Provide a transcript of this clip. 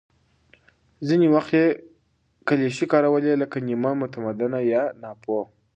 ځینې وخت یې کلیشې کارولې، لکه «نیمه متمدنه» یا «ناپوه».